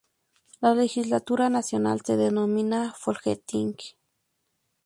La legislatura nacional se denomina "Folketing".